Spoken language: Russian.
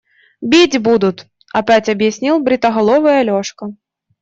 Бить будут, – опять объяснил бритоголовый Алешка.